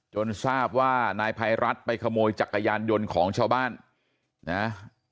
ทราบว่านายภัยรัฐไปขโมยจักรยานยนต์ของชาวบ้านนะ